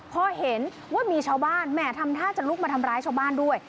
พอเห็นว่ามีชาวบ้านแหม่ทำท่าจะลุกมาทำร้ายชาวบ้านด้วย